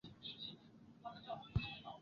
傕之子式。